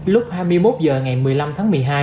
lúc hai mươi một h ngày một mươi năm tháng một mươi hai